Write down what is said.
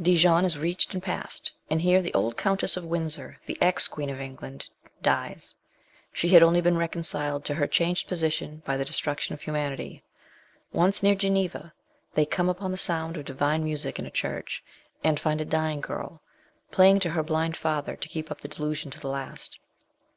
Dijon is reached and passed, and here the old Countess of Windsor, the ex Q,ueen of England, dies : she had only been reconciled to her changed position by the destruction of humanity. Once, near Geneva, they come upon the sound of divine music in a church, and find a dying girl playing to her blind father to keep LITERARY WORK. 189 up the delusion to the last.